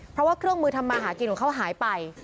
เพราะว่าเครื่องมือทำมาหากินของเขาหายไป